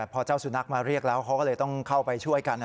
พอเจ้าสุนัขมาเรียกแล้วเขาก็เลยต้องเข้าไปช่วยกัน